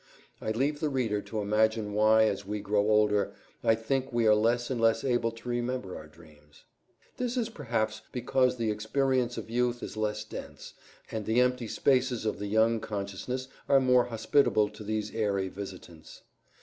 I leave the reader to imagine why. As we grow older, I think we are less and less able to remember our dreams. This is perhaps because the experience of youth is less dense, and the empty spaces of the young consciousness are more hospitable to these airy visitants.